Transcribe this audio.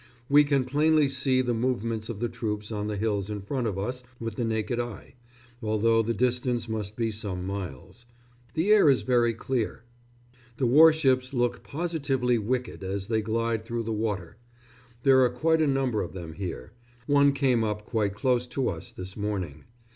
We can plainly see the movements of the troops on the hills in front of us with the naked eye, although the distance must be some miles. The air is very clear.... The warships look positively wicked as they glide through the water. There are quite a number of them here. One came up quite close to us this morning.